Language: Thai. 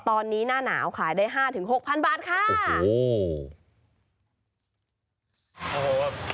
ตอนนี้หน้าหนาวขายได้ห้าถึงหกพันบาทค่ะโอ้โห